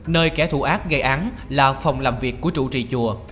nơi kẻ thù ác gây án là phòng làm việc của trụ trì chùa